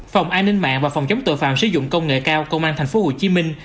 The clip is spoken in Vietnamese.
phòng an ninh mạng và phòng chống tội phạm sử dụng công nghệ cao công an thành phố hồ chí minh